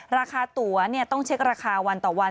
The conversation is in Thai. ราคาตั๋วต้องเช็คราคาวันต่อวัน